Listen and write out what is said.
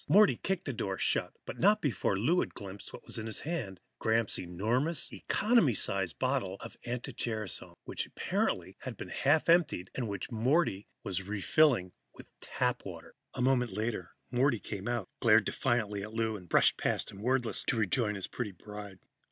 Morty kicked the door shut, but not before Lou had glimpsed what was in his hand Gramps' enormous economy size bottle of anti gerasone, which had apparently been half emptied, and which Morty was refilling with tap water. A moment later, Morty came out, glared defiantly at Lou and brushed past him wordlessly to rejoin his pretty bride.